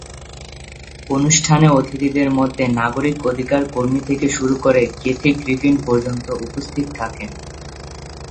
অনুষ্ঠানে অতিথিদের মধ্যে নাগরিক অধিকার কর্মী থেকে শুরু করে ক্যাথি গ্রিফিন পর্যন্ত উপস্থিত থাকেন।